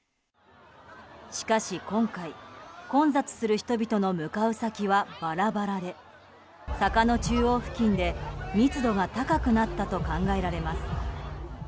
しかし今回、混雑する人々の向かう先はバラバラで坂の中央付近で、密度が高くなったと考えられます。